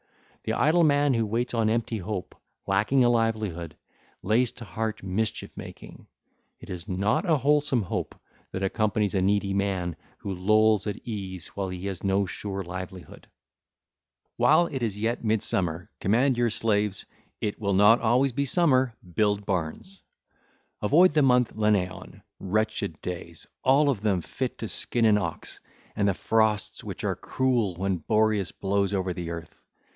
The idle man who waits on empty hope, lacking a livelihood, lays to heart mischief making; it is not an wholesome hope that accompanies a need man who lolls at ease while he has no sure livelihood. (ll. 502 503) While it is yet midsummer command your slaves: 'It will not always be summer, build barns.' (ll. 504 535) Avoid the month Lenaeon 1321, wretched days, all of them fit to skin an ox, and the frosts which are cruel when Boreas blows over the earth.